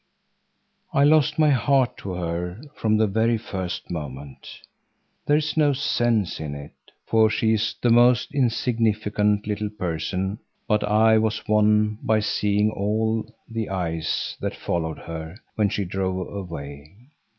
I lost my heart to her from the very first moment. There is no sense in it, for she is the most insignificant little person; but I was won by seeing all the eyes that followed her when she drove away.